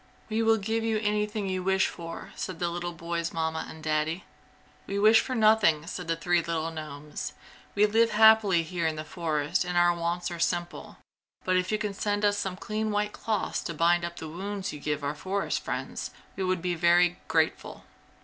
"We will give you anything you wish for!" said the little boy's Mamma and Daddy. "We wish for nothing!" said the three little gnomes, "We live happily here in the forest and our wants are simple, but if you could send us some clean white cloths to bind up the wounds you give our forest friends we would be very grateful!"